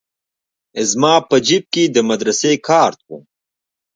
زما په جيب کښې د مدرسې کارت و.